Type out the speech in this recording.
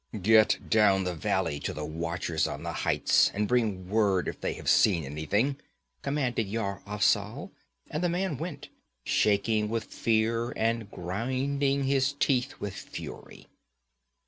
'Get down the valley to the watchers on the heights and bring word if they have seen anything,' commanded Yar Afzal, and the man went, shaking with fear and grinding his teeth with fury.